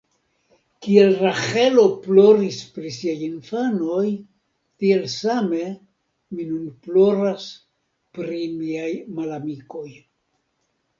Kiel Raĥelo ploris pri siaj infanoj, tiel same mi nun ploras pri miaj malamikoj.